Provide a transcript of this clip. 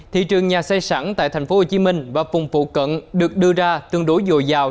thị trường nhà xây sẵn tại tp hcm và vùng phụ cận được đưa ra tương đối dồi dào